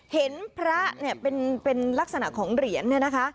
เห็นพระเนี่ยเป็นลักษณะของเหรียญเนี่ยนะคะ